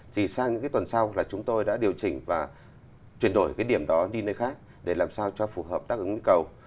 thì sang những cái tuần sau là chúng tôi đã điều chỉnh và chuyển đổi cái điểm đó đi nơi khác để làm sao cho phù hợp đáp ứng nhu cầu